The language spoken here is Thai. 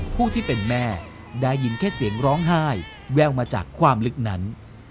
ผู้ที่เป็นแม่ได้ยินแค่เสียงร้องไห้แววมาจากความลึกนั้น